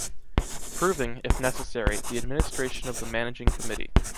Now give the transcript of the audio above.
Approving, if necessary, the administration of the Managing Committee.